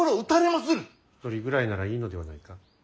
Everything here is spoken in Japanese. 一人ぐらいならいいのではないか。